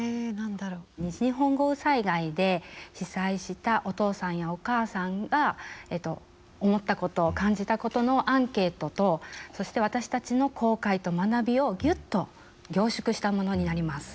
西日本豪雨災害で被災したお父さんやお母さんが思ったこと感じたことのアンケートとそして私たちの後悔と学びをギュッと凝縮したものになります。